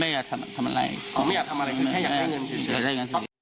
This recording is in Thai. อ๋อไม่อยากทำอะไรแค่อยากได้เงินเฉย